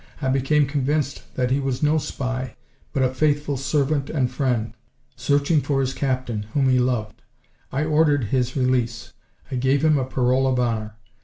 I became convinced that he was no spy, but a faithful servant and friend, searching for his captain, whom he loved. I ordered his release. I gave him a parole of honor.